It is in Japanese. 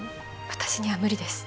私には無理です